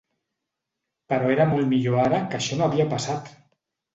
Però era molt millor ara que això no havia passat!